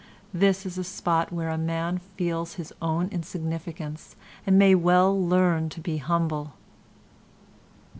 This is a spot where a man feels his own insignificance and may well learn to be humble."